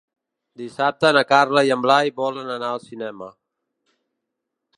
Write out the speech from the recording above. Dissabte na Carla i en Blai volen anar al cinema.